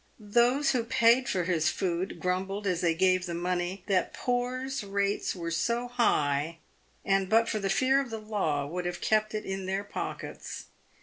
Those who paid for his food, grumbled, as they gave the money, that poor's rates were so high, and but for the fear of the law would have kept it in their pockets.